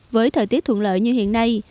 với thời tiết thuận lợi như hiện nay